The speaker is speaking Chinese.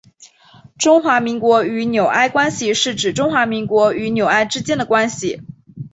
中华民国与纽埃关系是指中华民国与纽埃之间的关系。